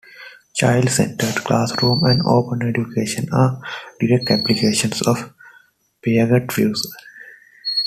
Child-centered classrooms and "open education" are direct applications of Piaget's views.